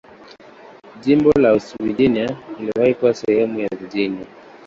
Jimbo la West Virginia iliwahi kuwa sehemu ya Virginia.